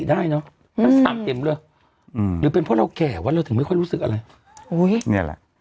ได้เนอะอยู่เป็นพวกเราแก่วะเราถึงไม่ค่อยรู้สึกอะไรอุ้ยเนี่ยแหละ